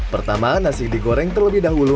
pertama nasi digoreng terlebih dahulu